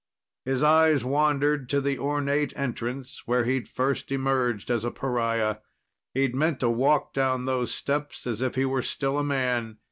His eyes wandered to the ornate entrance where he'd first emerged as a pariah. He'd meant to walk down those steps as if he were still a man.